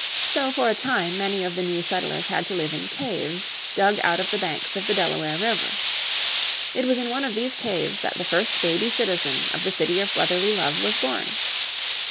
So for a time many of the new settlers had to live in caves dug out of the banks of the Delaware River. It was in one of these caves that the first baby citizen of the city of brotherly love was born.